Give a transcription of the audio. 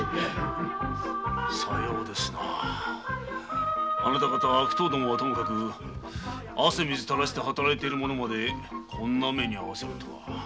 さようですなあなた方悪党どもはともかく汗水たらして働いている者までこんな目に遭わせるとは。